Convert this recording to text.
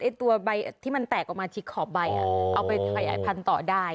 ไอ้ตัวใบที่มันแตกออกมาที่ขอบใบเอาไปไผ่ไอพันต่อได้